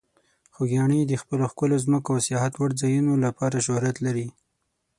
خوږیاڼي د خپلو ښکلو ځمکو او سیاحت وړ ځایونو لپاره شهرت لري.